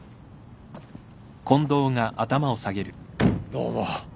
どうも。